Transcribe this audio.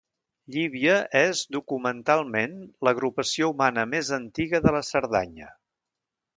Llívia és documentalment l'agrupació humana més antiga de la Cerdanya.